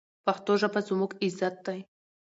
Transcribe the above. پښتو ژبه زموږ عزت دی.